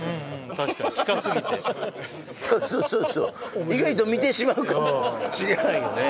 確かに近すぎてそうそう意外と見てしまうかもしれないよね